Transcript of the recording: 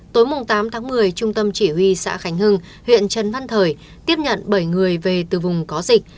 tối tám tháng một mươi trung tâm chỉ huy xã khánh hưng huyện trần văn thời tiếp nhận bảy người về từ vùng có dịch